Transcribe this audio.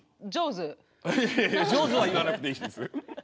いやいやいや「上手」は言わなくていいんです。